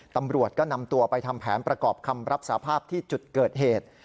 ตำรวจก็นำตัวไปทำแผนประกอบคำรับสาภาพที่จุดเกิดเหตุ